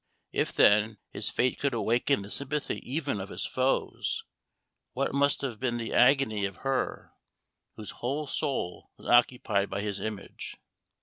If, then, his fate could awaken the sympathy even of his foes, what must have been the agony of her, whose whole soul was occupied by his image?